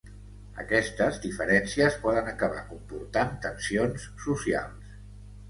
Aquestes diferències poden acabar comportant tensions socials.